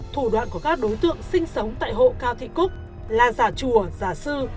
thủ đoạn của các đối tượng sinh sống tại hộ cao thị cúc là giả chùa giả sư